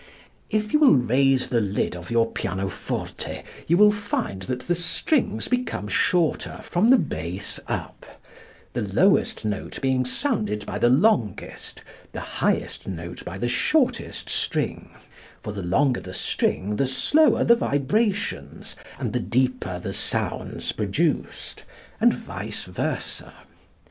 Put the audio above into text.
If you will raise the lid of your pianoforte you will find that the strings become shorter from the bass up, the lowest note being sounded by the longest, the highest note by the shortest string; for the longer the string the slower the vibrations and the deeper the sounds produced, and vice versa.